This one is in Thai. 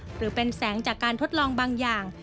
หรือเป็นแสงจากการทดลองบางอย่าง